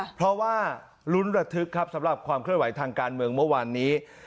เพราะว่าลุ้นระทึกครับสำหรับความเคลื่อนไหวทางการเมืองเมื่อวานนี้